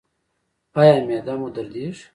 ایا معده مو دردیږي؟